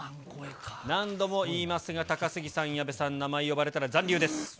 何度も言いますが、高杉さん、矢部さん、名前呼ばれたら残留です。